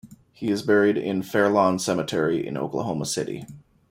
He is buried in Fairlawn Cemetery in Oklahoma City.